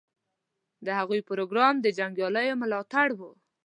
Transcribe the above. د هغوی پروګرام د جنګیالیو ملاتړ و.